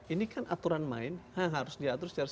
ini kan aturan main yang harus diatur secara